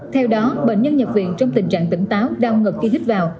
theo đó bệnh nhân nhập viện trong tình trạng tỉnh táo đau ngực khi hít vào